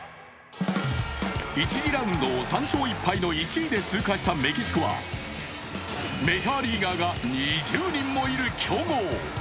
１次ラウンドを３勝１敗の１位で通過したメキシコはメジャーリーガーが２０人もいる強豪。